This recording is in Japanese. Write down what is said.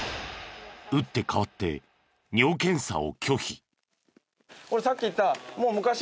打って変わって尿検査を拒否。